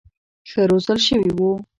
ښه روزل شوي وو.